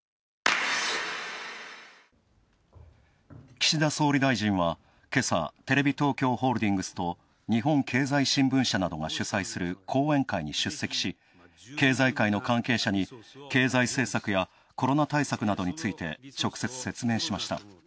岸田総理大臣は、けさ、テレビ東京ホールディングスと日本経済新聞社などが主催する講演会に出席し経済界の関係者に経済政策やコロナ対策などについて直接説明しました。